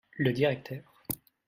Le directeur.